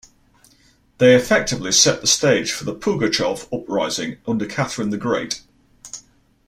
They effectively set the stage for the Pugachev Uprising under Catherine the Great.